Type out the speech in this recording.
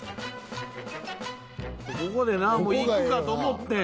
ここでなもういくかと思ってん